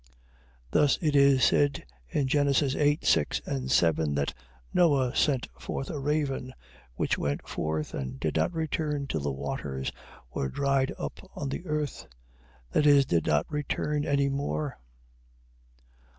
Thus it is said, Genesis 8. 6 and 7, that Noe sent forth a raven, which went forth, and did not return till the waters were dried up on the earth. That is, did not return any more.